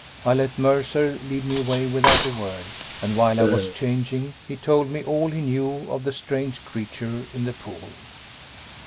I let Mercer lead me away without a word. And while I was changing, he told me all he knew of the strange creature in the pool.